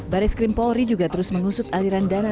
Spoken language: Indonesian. baris krim polri juga terus mengusut aliran dana